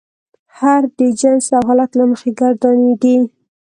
هر د جنس او حالت له مخې ګردانیږي.